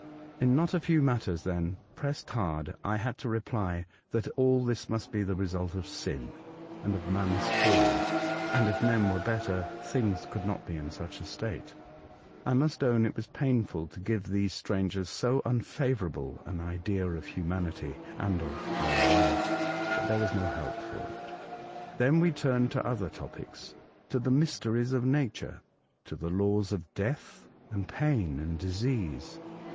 In not a few matters, when pressed hard, I had to reply, that all this must be the result of sin, and of man's Fall, and if men were better things could not be in such a state. I must own it was painful to give these strangers so unfavour able an idea of humanity and of our earth, but there was no help for it. Then we turned to other topics — to the mys teries of Nature, to the laws of death, and pain, and disease.